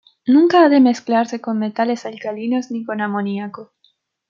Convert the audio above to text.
Nunca ha de mezclarse con metales alcalinos ni con amoniaco.